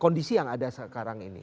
kondisi yang ada sekarang ini